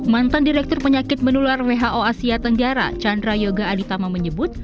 mantan direktur penyakit menular who asia tenggara chandra yoga aditama menyebut